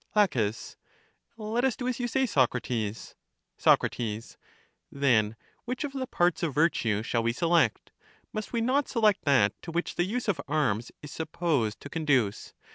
La, Let us do as you say, Socrates. Soc, Then which of the parts of virtue shall we select? Must we not select that to which the use of arms is supposed to conduce?